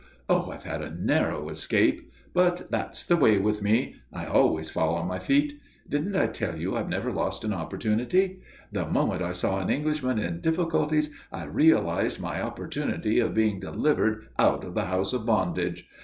Oh, I've had a narrow escape. But that's the way with me. I always fall on my feet. Didn't I tell you I've never lost an opportunity? The moment I saw an Englishman in difficulties, I realized my opportunity of being delivered out of the House of Bondage.